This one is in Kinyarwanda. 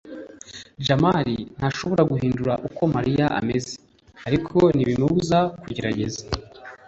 jamali ntashobora guhindura uko mariya ameze, ariko ntibimubuza kugerageza